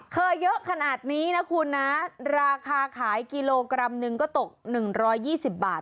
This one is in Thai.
เยอะขนาดนี้นะคุณนะราคาขายกิโลกรัมหนึ่งก็ตก๑๒๐บาท